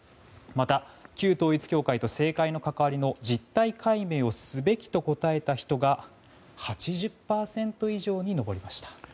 また旧統一教会と政界の関わりの実態解明をすべきと答えた人が８０％以上に上りました。